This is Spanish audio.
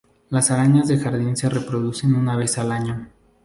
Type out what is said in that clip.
Las arañas de jardín se reproducen una vez al año.